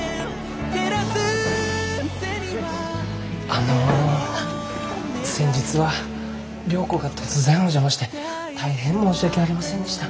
あの先日は良子が突然お邪魔して大変申し訳ありませんでした。